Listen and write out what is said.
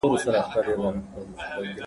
زه اجازه لرم چي کالي وچوم،